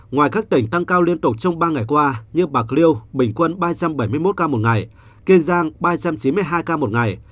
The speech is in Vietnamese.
ngoài các tỉnh tăng cao liên tục trong ba ngày qua như bạc liêu bình quân ba trăm bảy mươi một ca một ngày kiên giang ba trăm chín mươi hai ca một ngày